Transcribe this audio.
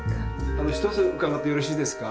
あのひとつ伺ってよろしいですか？